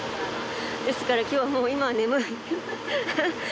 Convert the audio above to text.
ですからきょうもう、今は眠い。